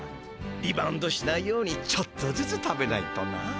リバウンドしないようにちょっとずつ食べないとな。